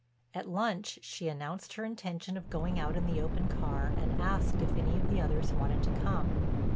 At lunch she announced her intention of going out in the open car and asked if any of the others wanted to come.